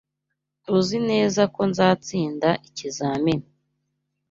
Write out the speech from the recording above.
TUZI neza ko nzatsinda ikizamini.